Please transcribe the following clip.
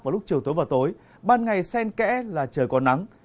vào lúc chiều tối và tối ban ngày sen kẽ là trời có nắng